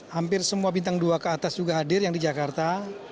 hampir semua bintang dua ke atas juga hadir yang di jakarta